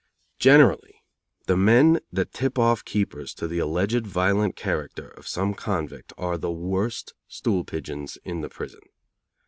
Generally the men that tip off keepers to the alleged violent character of some convict are the worst stool pigeons in the prison.